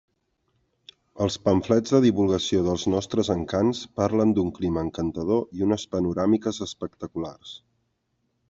Els pamflets de divulgació dels nostres encants parlen d'un clima encantador i unes panoràmiques espectaculars.